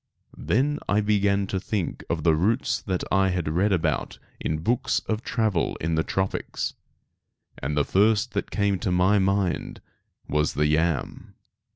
Then I began to think of the roots that I had read about in books of travel in the tropics, and the first that came to my mind was the yam.